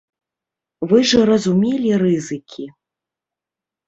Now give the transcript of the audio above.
Вы ж разумелі рызыкі.